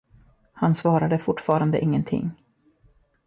Han svarade fortfarande ingenting.